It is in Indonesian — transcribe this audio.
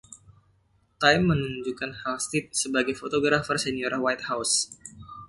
“Time” menunjuk Halstead sebagai Fotografer Senior White House.